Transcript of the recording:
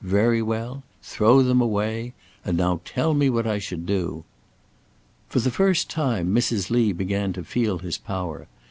Very well! throw them away! And now tell me what I should do." For the first time, Mrs. Lee began to feel his power.